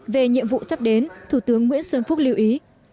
về nhiệm vụ sắp đến thủ tướng nguyễn xuân phúc lưu ý